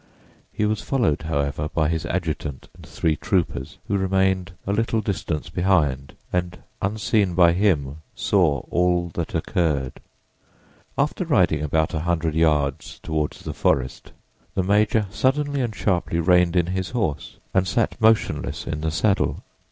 He was followed, however, by his adjutant and three troopers, who remained a little distance behind and, unseen by him, saw all that occurred. After riding about a hundred yards toward the forest, the major suddenly and sharply reined in his horse and sat motionless in the saddle.